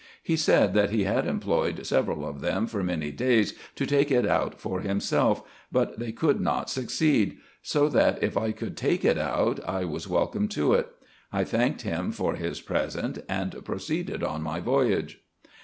He said that he had employed several of them for many days to take it out for himself, but they could not succeed ; so that, if I could take it out, I was welcome to it. I thanked him for his present, and proceeded on my voyage.